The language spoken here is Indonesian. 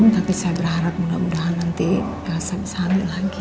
tapi saya berharap mudah mudahan nanti gak bisa sehari lagi